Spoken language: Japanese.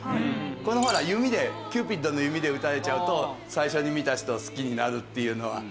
このほら弓でキューピッドの弓で打たれちゃうと最初に見た人を好きになるっていうのは知ってるでしょ？